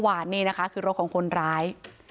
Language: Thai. เหตุการณ์เกิดขึ้นกลางดึงเมื่อวานโรคของคนร้าย